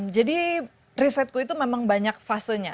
jadi risetku itu memang banyak fasenya